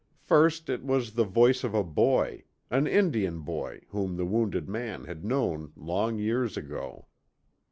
First it was the voice of a boy, an Indian boy whom the wounded man had known long years ago.